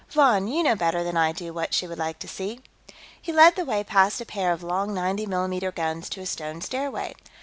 "Von, you know better than I do what she would like to see." He led the way past a pair of long 90 mm guns to a stone stairway.